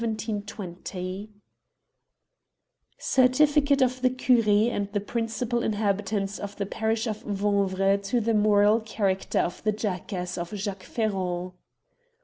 214 The Jackass of Vanvres Certificate of the Cur^, and the principal inhabitants of the parish of Vanvres to the moral character of the Jackass of Jacques Ferron.